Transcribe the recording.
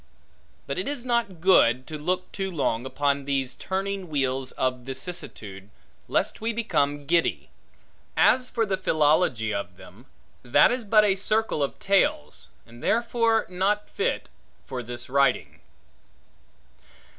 But it is not good to look too long upon these turning wheels of vicissitude, lest we become giddy. As for the philology of them, that is but a circle of tales, and therefore not fit for this writing.